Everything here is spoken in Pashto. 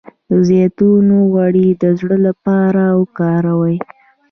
د زیتون غوړي د زړه لپاره وکاروئ